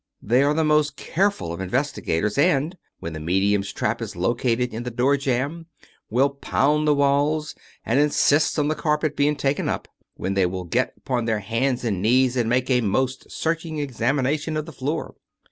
They are the most careful of investigators, and, when the medium's trap is located in the door jamb, will pound the walls, and insist on the carpet being taken, up, when they will get upon their hands and knees and make a most search ii^ examination of the floor.